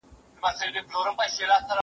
زه پرون لیکل کوم